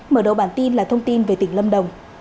mở đầu bản tin là thông tin về tỉnh lâm đồng